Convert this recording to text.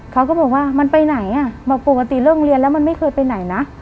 เขาก็บอกว่ามันไปไหนอ่ะบอกปกติเลิกเรียนแล้วมันไม่เคยไปไหนนะ